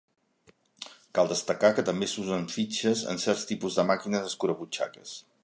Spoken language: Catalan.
Cal destacar que també s'usen fitxes en certs tipus de màquines escurabutxaques.